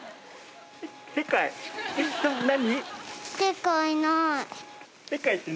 何？